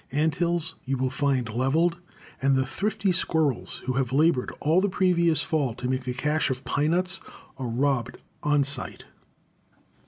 Ant hills you will find leveled, and the thrifty squirrels, who have labored all the previous fall to make a cache of pine nuts, are robbed on sight.